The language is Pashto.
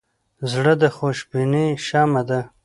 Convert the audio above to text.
زړه د خوشبینۍ شمعه ده.